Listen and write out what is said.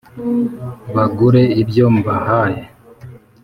Bagure ibyo mbahaye